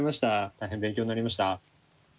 大変勉強になりました。